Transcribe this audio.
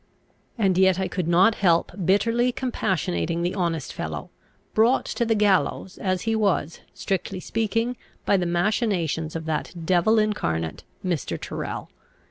And yet I could not help bitterly compassionating the honest fellow, brought to the gallows, as he was, strictly speaking, by the machinations of that devil incarnate, Mr. Tyrrel.